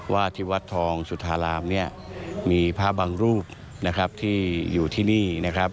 ว่าที่วัดทองสุธารามมีพระบังรูปที่อยู่ที่นี่